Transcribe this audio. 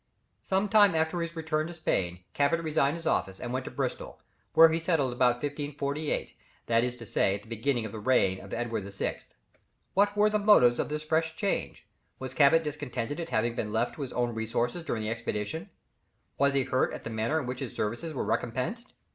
Some time after his return to Spain, Cabot resigned his office, and went to Bristol, where he settled about 1548, that is to say at the beginning of the reign of Edward VI. What were the motives of this fresh change? Was Cabot discontented at having been left to his own resources during his expedition? Was he hurt at the manner in which his services were recompensed?